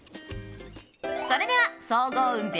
それでは総合運